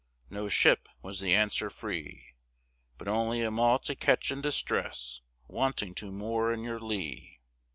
"No ship," was the answer free; "But only a Malta ketch in distress Wanting to moor in your lee.